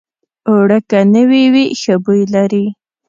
اوړه که نوي وي، ښه بوی لري